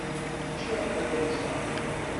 Ččiɣ tiqinsa.